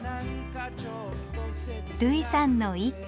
類さんの一句。